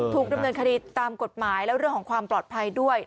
ถูกดำเนินคดีตามกฎหมายและเรื่องของความปลอดภัยด้วย